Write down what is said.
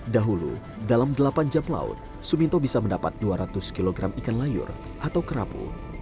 dahulu dalam delapan jam laut suminto bisa mendapat dua ratus kg ikan layur atau kerapu